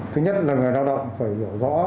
thứ nhất là người lao động phải hiểu rõ